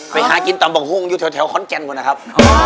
ไปค้ากินตำบงหุ้งอยู่แถวค้อนแจนด์ก่อนนะครับ